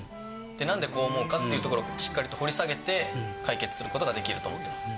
なんでこう思うかっていうところ、しっかりと掘り下げて解決することができると思ってます。